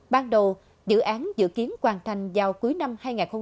ban đầu dự án dự kiến hoàn thành vào cuối năm hai nghìn hai mươi